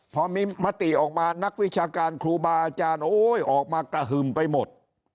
พอมีมติออกมานักวิชาการครูบาอาจารย์โอ้ยออกมากระหึ่มไปหมด